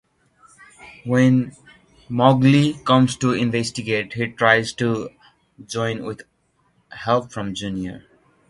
When Mowgli comes to investigate, he tries to join with help from Junior.